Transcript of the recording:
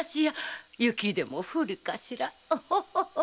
ホホホ。